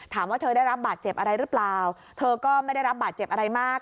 ถามว่าเธอได้รับบาดเจ็บอะไรหรือเปล่าเธอก็ไม่ได้รับบาดเจ็บอะไรมาก